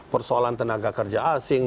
persoalan tenaga kerja asing